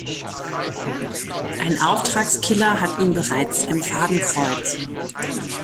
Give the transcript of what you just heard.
Ein Auftragskiller hat ihn bereits im Fadenkreuz.